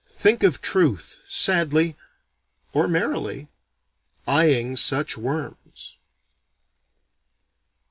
Think of Truth sadly or merrily eyeing such worms!